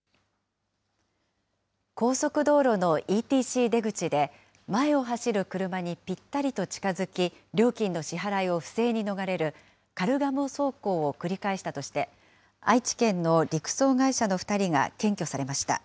高速道路のＥＴＣ出口で、前を走る車にぴったりと近づき、料金の支払いを不正に逃れる、カルガモ走行を繰り返したとして、愛知県の陸送会社の２人が検挙されました。